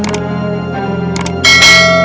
ndra kamu udah nangis